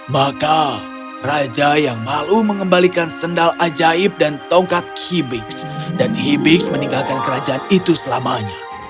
maka raja yang malu mengembalikan sendal ajaib dan tongkat hibis dan hibis meninggalkan kerajaan itu selamanya